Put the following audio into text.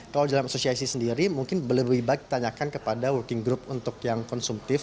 kalau dalam asosiasi sendiri mungkin lebih baik ditanyakan kepada working group untuk yang konsumtif